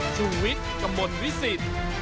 ชุวิตกำบลวิสิทธิ์